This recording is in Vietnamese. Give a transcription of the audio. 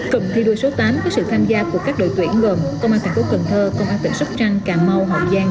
cầm thi đua số tám có sự tham gia của các đội tuyển gồm công an tp cnh công an tỉnh sóc trăng cà mau hồng giang